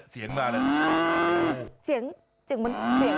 เสียงเหมือนเสียงวัว